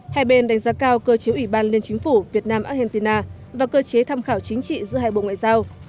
hai bên đánh giá cao cơ chế ủy ban liên chính phủ việt nam argentina và cơ chế tham khảo chính trị giữa hai bộ ngoại giao